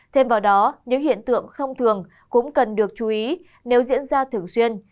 thêm vào đó những hiện tượng không thường cũng cần được chú ý nếu diễn ra thường xuyên